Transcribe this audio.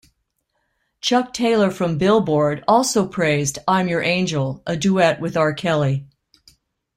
Chuck Taylor from "Billboard" also praised "I'm Your Angel", a duet with R. Kelly.